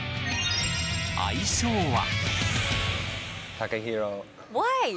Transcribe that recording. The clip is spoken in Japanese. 愛称は。